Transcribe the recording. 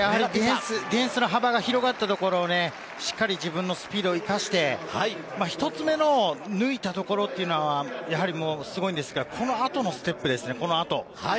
ディフェンスの幅が広がったところをしっかり自分のスピードを生かして、１人目を抜いたところはすごいんですけれど、この後のステップ。